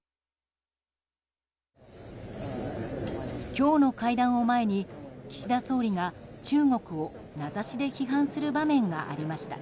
今日の会談を前に、岸田総理が中国を名指しで批判する場面がありました。